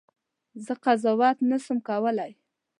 زه قضاوت نه سم کولای.